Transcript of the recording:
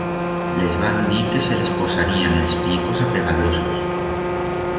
Les van dir que se les posarían els picos apegalosos.